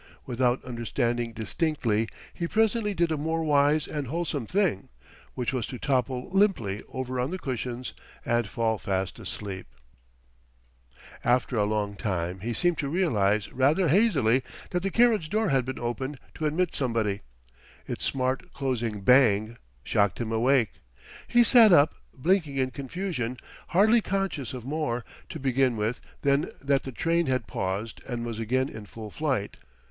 Without understanding distinctly, he presently did a more wise and wholesome thing: which was to topple limply over on the cushions and fall fast asleep. After a long time he seemed to realize rather hazily that the carriage door had been opened to admit somebody. Its smart closing bang shocked him awake. He sat up, blinking in confusion, hardly conscious of more, to begin with, than that the train had paused and was again in full flight.